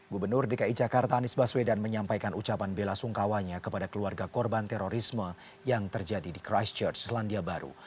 gubernur dki jakarta anies baswedan menyampaikan ucapan bela sungkawanya kepada keluarga korban terorisme yang terjadi di christchurch selandia baru